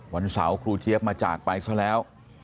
วันเสาร์ครูเจี๊ยบมาจากไปซะแล้ว